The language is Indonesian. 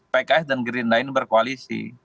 pks dan gerindra ini berkoalisi